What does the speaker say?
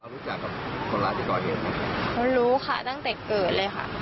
รู้จักกับคนร้ายที่ก่อเหตุไหมรู้ค่ะตั้งแต่เกิดเลยค่ะ